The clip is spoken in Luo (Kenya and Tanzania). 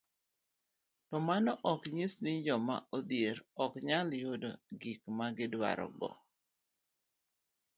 To mano ok nyis ni joma odhier ok nyal yudo gik ma gidwarogo.